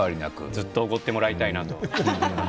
ずっとおごってもらいたいと。